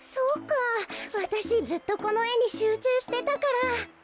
わたしずっとこのえにしゅうちゅうしてたから。